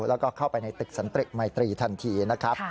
แล้วก็เข้าไปในตึกสันติมัยตรีทันทีนะครับ